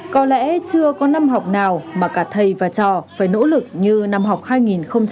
có lẽ chưa có năm học nào mà cả thầy và trò phải nỗ lực như năm học hai nghìn hai mươi hai nghìn hai mươi